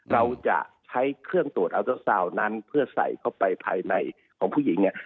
เราจะใช้เครื่องตรวจอัลเตอร์ซาวน์นั้นเพื่อใส่เข้าไปภายในของผู้หญิงเนี่ย